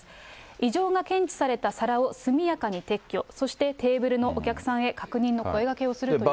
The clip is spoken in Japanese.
異常が検知された皿を速やかに撤去、そしてテーブルのお客さんへ確認の声がけをするということです。